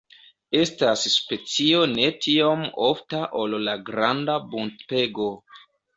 Estas specio ne tiom ofta ol la Granda buntpego.